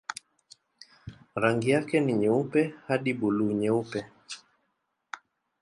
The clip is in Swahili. Rangi yake ni nyeupe hadi buluu-nyeupe.